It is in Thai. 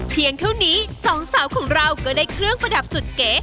เท่านี้สองสาวของเราก็ได้เครื่องประดับสุดเก๋